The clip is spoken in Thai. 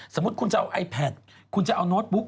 สมมุติคุณจะเอาไอแพทคุณจะเอาโน้ตบุ๊ก